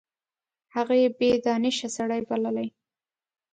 هغه یې بې دانشه سړی بللی.